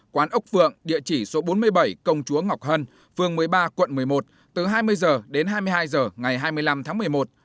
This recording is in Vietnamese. quán ốc phượng địa chỉ số bốn mươi bảy công chúa ngọc hân phường một mươi ba quận một mươi một từ hai mươi h đến hai mươi hai h ngày hai mươi năm tháng một mươi một